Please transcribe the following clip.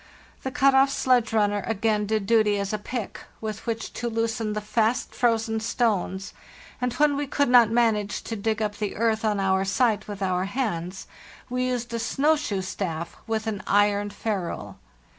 The cut off sledge runner again did duty as a pick with which to loosen the fast frozen stones, and when we could not manage to dig up the earth on our site with our hands we used a snow shoe staff with an iron ferrule.